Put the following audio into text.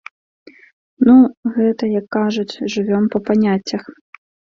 Ну, гэта, як кажуць, жывём па паняццях.